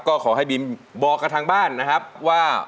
ก็ขอให้บิมบอกกับทางบ้านนะครับว่า